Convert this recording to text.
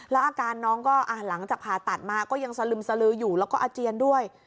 แล้วอาการน้องก็หลังจากผ่าตัดมาก็ยังสลึมสลืออยู่แล้วก็อาเจียนด้วย